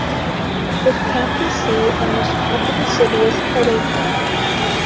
Its county seat and most populous city is Hiawatha.